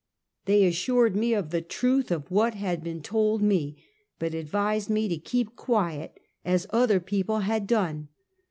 They assured me of the truth of what had been told me, but advised me to keep quiet, as other people had done.